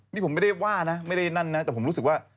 นี่ผมไม่ได้ว่านะไม่ได้นั่นนะแต่ผมรู้สึกว่า